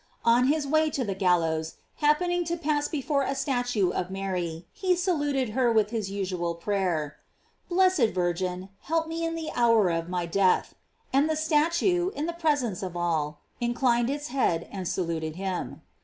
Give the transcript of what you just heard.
On his way to the gallows, happening to pass before a statue of Mary, he saluted her with his usual prayer: Blessed Virgin, help me in the hour of vny death, and the statue, in the presence of all, inclined its head and saluted him.